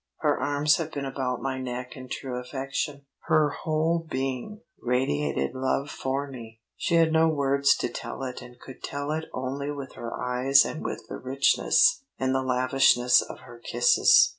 Her arms have been about my neck in true affection; her whole being radiated love for me; she had no words to tell it and could tell it only with her eyes and with the richness and the lavishness of her kisses.